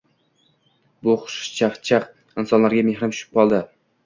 Bu xushchaqchaq insonlarga mehrim tushib qoldi.